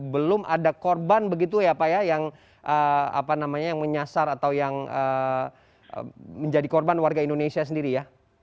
belum ada korban begitu ya pak ya yang menyasar atau yang menjadi korban warga indonesia sendiri ya